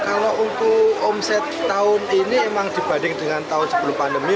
kalau untuk omset tahun ini emang dibanding dengan tahun sebelum pandemi